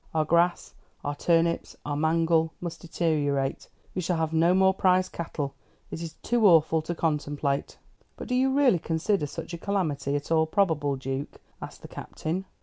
Our grass, our turnips, our mangel, must deteriorate, We shall have no more prize cattle. It is too awful to contemplate." "But do you really consider such a calamity at all probable, Duke?" asked the Captain.